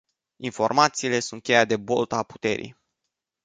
Informațiile sunt cheia de boltă a puterii.